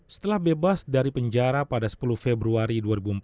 setelah bebas dari penjara pada sepuluh februari dua ribu empat belas